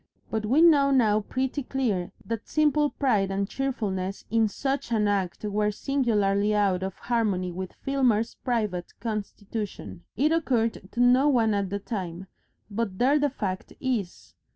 But we know now pretty clearly that simple pride and cheerfulness in such an act were singularly out of harmony with Filmer's private constitution. It occurred to no one at the time, but there the fact is.